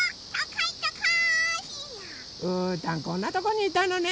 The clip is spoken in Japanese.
うーたんこんなとこにいたのね。